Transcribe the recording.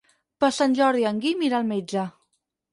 Per Sant Jordi en Guim irà al metge.